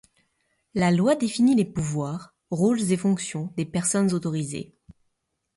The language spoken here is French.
La Loi définit les pouvoirs, rôles et fonctions des personnes autorisées.